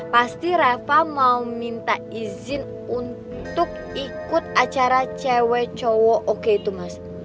pasti rafa mau minta izin untuk ikut acara cewek cowok oke itu mas